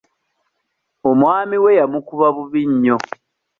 Omwami we yamukuba bubi nnyo.